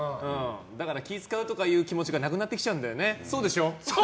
だから気を使うとかいう気持ちがなくなってきちゃうんだよ。